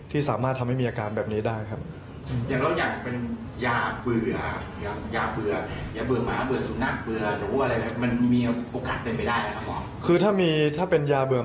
ที่สามารถทำให้มีอาการแบบนี้ได้ครับ